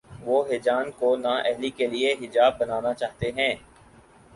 وہ ہیجان کو نا اہلی کے لیے حجاب بنانا چاہتے ہیں۔